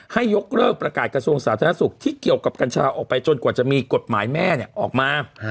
ยกเลิกประกาศกระทรวงสาธารณสุขที่เกี่ยวกับกัญชาออกไปจนกว่าจะมีกฎหมายแม่ออกมา